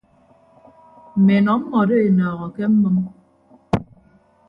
Mme enọ mmọdo enọọho ke mmʌm.